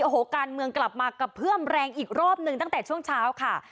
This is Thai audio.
โอ้โหการเมืองกลับมากระเพื่อมแรงอีกรอบหนึ่งตั้งแต่ช่วงเช้าค่ะ